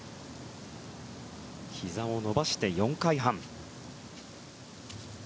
ひざを伸ばして４回半。